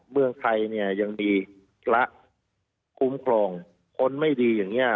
เมืองไทยเนี่ยยังมีพระคุ้มครองคนไม่ดีอย่างนี้